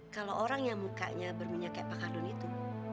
kalau orang yang mukanya berminyak kayak pak kardun itu